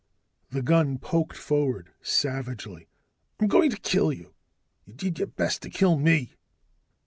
The gun poked forward, savagely. "I'm going to kill you. You did your best to kill me."